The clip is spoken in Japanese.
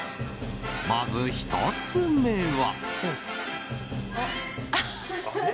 まず１つ目は。